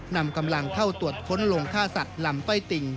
นำกำลังเข้าตรวจค้นลงฆ่าสัตว์ลำต้อยติ่ง